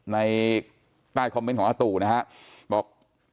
ในใต้คอมเมนต์ของอาตู่นะฮะบอก